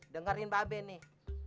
dengarin mba be nih